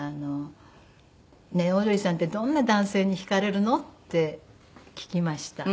「ねえオードリーさんってどんな男性に惹かれるの？」って聞きました。